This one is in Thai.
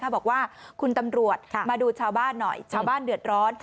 บอกว่าคุณตำรวจมาดูชาวบ้านหน่อยชาวบ้านเดือดร้อน